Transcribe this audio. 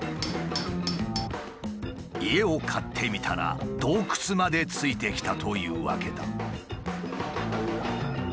家を買ってみたら洞窟まで付いてきたというわけだ。